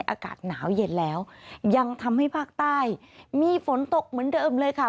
อากาศหนาวเย็นแล้วยังทำให้ภาคใต้มีฝนตกเหมือนเดิมเลยค่ะ